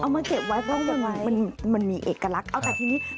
เอามาเก็บไว้มันมีเอกลักษณ์